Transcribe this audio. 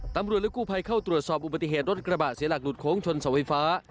ตำรวจและกู้ภัยเข้าตรวจสอบอุบัติเหตุรถกระบะเสียหลักหลุดโค้งชนเสาไฟฟ้า